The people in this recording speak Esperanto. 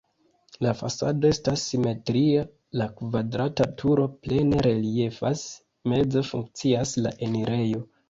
La fasado estas simetria, la kvadrata turo plene reliefas, meze funkcias la enirejo.